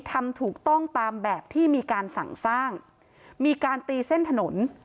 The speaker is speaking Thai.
ทำถูกต้องตามแบบที่มีการสั่งสร้างมีการตีเส้นถนน